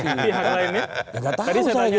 tidak tahu saya gitu tadi saya tanya